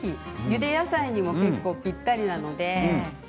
ゆで野菜にもぴったりなので。